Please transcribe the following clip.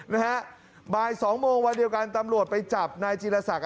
นะฮะบ่ายสองโมงวันเดียวกันตำรวจไปจับนายจีรศักดิ์